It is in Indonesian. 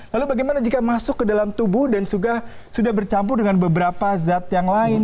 lalu bagaimana jika masuk ke dalam tubuh dan sudah bercampur dengan beberapa zat yang lain